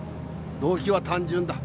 動機は単純だ。